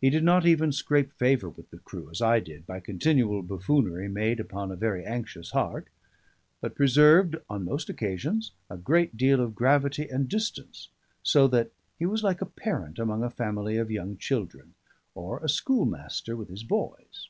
He did not even scrape favour with the crew, as I did, by continual buffoonery made upon a very anxious heart; but preserved on most occasions a great deal of gravity and distance; so that he was like a parent among a family of young children, or a schoolmaster with his boys.